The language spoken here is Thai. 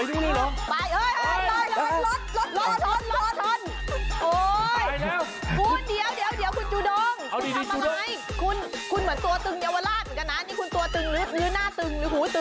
นี่คุณตัวตึงหรือหน้าตึงหรือหูตึง